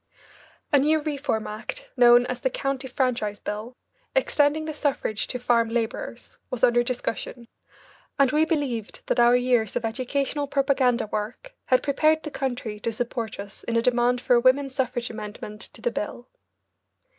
A new Reform Act, known as the County Franchise Bill, extending the suffrage to farm labourers, was under discussion, and we believed that our years of educational propaganda work had prepared the country to support us in a demand for a women's suffrage amendment to the bill.